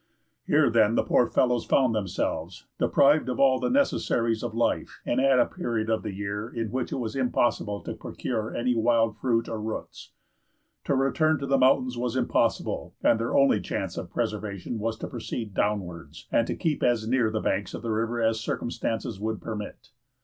Here, then, the poor fellows found themselves, deprived of all the necessaries of life, and at a period of the year in which it was impossible to procure any wild fruit or roots. To return to the mountains was impossible, and their only chance of preservation was to proceed downwards, and to keep as near the banks of the river as circumstances would permit.